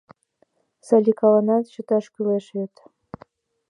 Саликаланат чыташ кӱлеш вет!